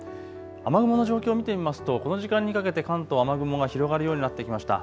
雨雲の状況を見てみますとこの時間にかけて関東、雨雲が広がるようになってきました。